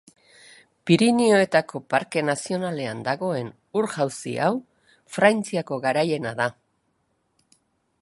Pirinioetako Parke Nazionalean dagoen ur-jauzi hau Frantziako garaiena da.